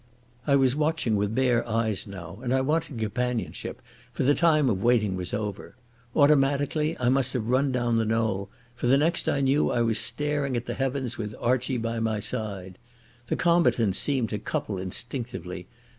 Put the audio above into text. I was watching with bare eyes now, and I wanted companionship, for the time of waiting was over. Automatically I must have run down the knoll, for the next I knew I was staring at the heavens with Archie by my side. The combatants seemed to couple instinctively.